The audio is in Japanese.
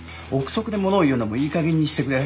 臆測でものを言うのもいい加減にしてくれ。